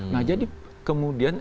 nah jadi kemudian